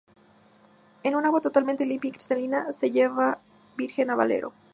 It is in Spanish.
Es un agua totalmente limpia y cristalina que llega virgen a Valero.